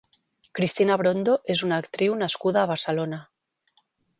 Cristina Brondo és una actriu nascuda a Barcelona.